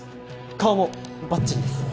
顔もバッチリです